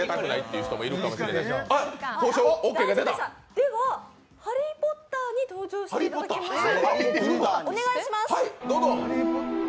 ではハリー・ポッターに登場してもらいましょう。